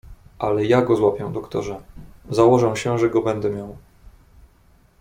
"Ale ja go złapię, doktorze; założę się, że go będę miał."